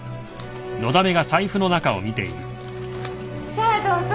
さあどうぞ。